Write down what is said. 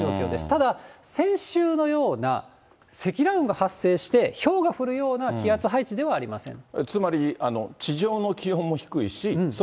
ただ、先週のような積乱雲が発生して、ひょうが降るような気圧配置ではありません。